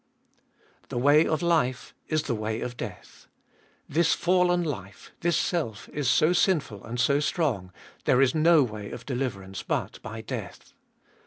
3. The way of life is the way of death. This fallen life, this self, is so sinful and so strong, there is' no way oj deliverance but by death.